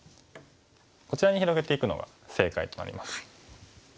こちらに広げていくのが正解となります。